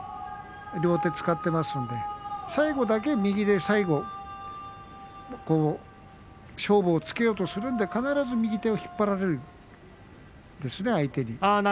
両手、使っていますので最後だけ右で勝負をつけようとするので必ず右手を引っ張られるですね相手に。